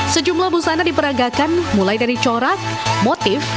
sejumlah busana diperagakan mulai dari corak motif